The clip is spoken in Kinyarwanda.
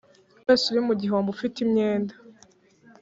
wese uri mu gihombo ufite imyenda